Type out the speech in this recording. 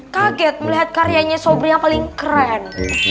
kaget melihat karyanya sobri yang paling keren